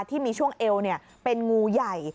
ที่มีช่วงเอวเป็นงูใหญ่